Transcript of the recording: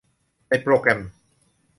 ในโปรแกรม